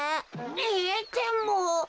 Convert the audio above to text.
えっでも。